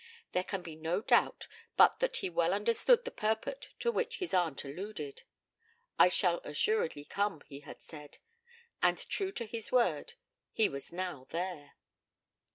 There can be no doubt but that he well understood the purport to which his aunt alluded. 'I shall assuredly come,' he had said. And true to his word, he was now there.